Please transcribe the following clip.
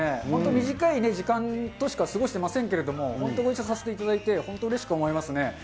本当、短い時間しか過ごしてませんけど、本当、ご一緒させていただいて、本当うれしく思いますね。